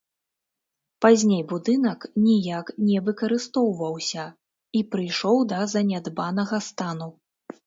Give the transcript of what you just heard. Пазней будынак ніяк не выкарыстоўваўся і прыйшоў да занядбанага стану.